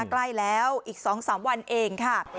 ใกล้แล้วอีก๒๓วันเองค่ะ